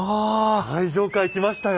最上階来ましたよ！